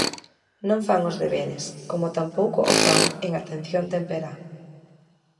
Non fan os deberes, como tampouco o fan en atención temperá.